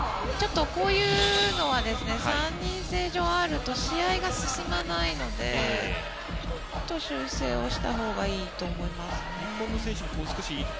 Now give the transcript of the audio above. こういうのは３人制上、あると試合が進まないので修正したほうがいいと思いますね。